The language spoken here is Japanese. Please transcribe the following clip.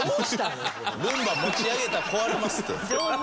ルンバ持ち上げたら壊れますって。